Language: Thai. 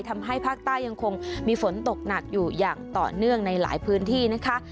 ทำให้ภาคใต้ยังคงมีฝนตกหนักอยู่อย่างต่อเนื่องในหลายพื้นที่นะคะ